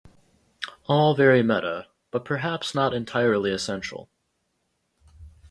All very meta but perhaps not entirely essential.